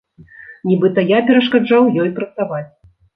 Нібыта я перашкаджаў ёй працаваць.